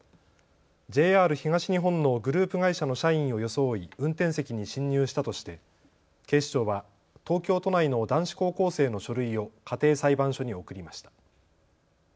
ＪＲ東日本のグループ会社の社員を装い運転席に侵入したとして警視庁は東京都内の男子高校生の書類を家庭裁判所に送りました。